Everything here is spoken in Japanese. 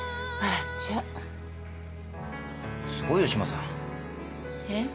すごいよ志麻さん。えっ？